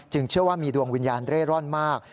เชื่อว่ามีดวงวิญญาณเร่ร่อนมาก